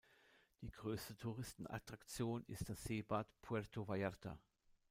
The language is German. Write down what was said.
Die größte Touristenattraktion ist das Seebad Puerto Vallarta.